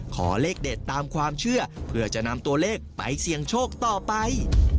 ขอเลขเด็ดตามความเชื่อเพื่อจะนำตัวเลขไปเสี่ยงโชคต่อไป